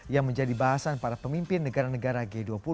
yang menjadi bahasan para pemimpin negara negara g dua puluh